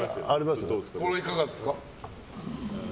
これはいかがですか。